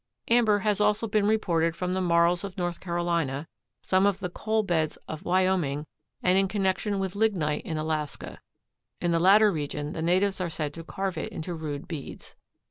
Amber has also been reported from the marls of North Carolina, some of the coal beds of Wyoming and in connection with lignite in Alaska. In the latter region the natives are said to carve it into rude beads.